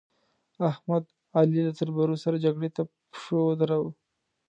احمد؛ علي له تربرو سره جګړې ته په پشو ودراوو.